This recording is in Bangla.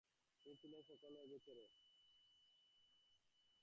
তিনি ছিলেন সকলে অগোচরে।